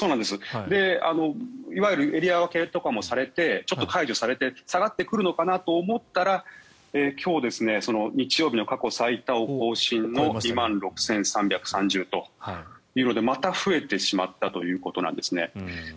いわゆるエリア分けとかもされてちょっと解除されて下がってくるのかなと思ったら今日、日曜日の過去最多を更新の２万６３３０人というのでまた増えてしまったということなんです。